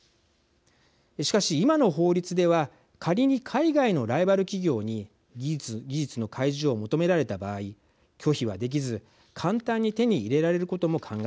しかし今の法律では仮に海外のライバル企業に技術の開示を求められた場合拒否はできず簡単に手に入れられることも考えられます。